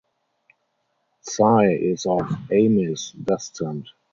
Tsai is of Amis descent.